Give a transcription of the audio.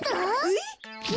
えっ！